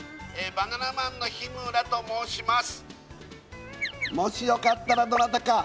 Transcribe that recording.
バナナマンの日村と申します